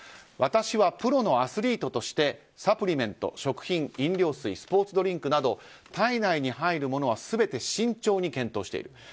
私はプロのアスリートとしてサプリメント、食品飲料水、スポーツドリンクなど体内に入るものは全て慎重に検討している。